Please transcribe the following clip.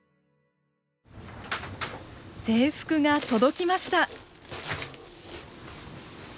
制服が届きました。